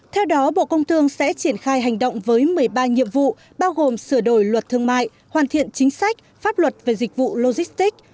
theo đó bộ công thương sẽ triển khai hành động với một mươi ba nhiệm vụ bao gồm sửa đổi luật thương mại hoàn thiện chính sách pháp luật về dịch vụ logistics